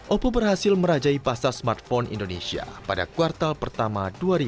oppo berhasil merajai pasar smartphone indonesia pada kuartal pertama dua ribu dua puluh